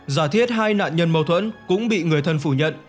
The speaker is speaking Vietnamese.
giả thiết hai nạn nhân mâu thuẫn cũng bị người thân phủ nhận